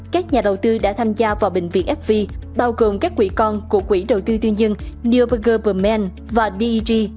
các nhà đầu tư đã tham gia vào bệnh viện fv bao gồm các quỹ con của quỹ đầu tư tiên dân neuberger bermann và deg